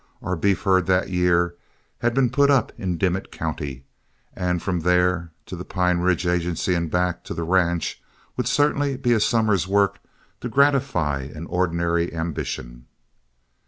Our beef herd that year had been put up in Dimmit County, and from there to the Pine Ridge Agency and back to the ranch would certainly be a summer's work to gratify an ordinary ambition.